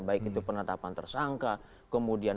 baik itu penetapan tersangka